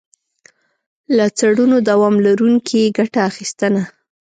له څړونو دوام لرونکي ګټه اخیستنه.